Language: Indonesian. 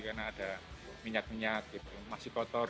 karena ada minyak minyak gitu masih kotor